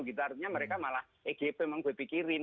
harusnya mereka malah egp membebikirin